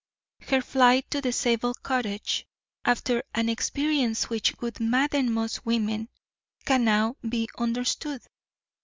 Her flight to the Zabel cottage, after an experience which would madden most women, can now be understood.